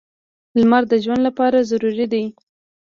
• لمر د ژوند لپاره ضروري دی.